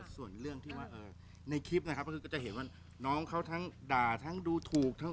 ส่วนเรื่องที่ว่าในคลิปนะครับก็คือก็จะเห็นว่าน้องเขาทั้งด่าทั้งดูถูกทั้ง